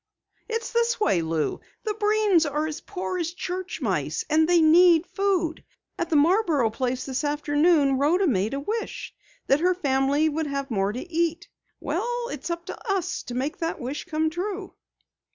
"It's this way, Lou. The Breens are as poor as church mice, and they need food. At the Marborough place this afternoon Rhoda made a wish that her family would have more to eat. Well, it's up to us to make that wish come true."